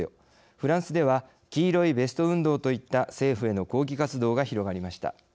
フランスでは「黄色いベスト運動」といった政府への抗議活動が広がりました。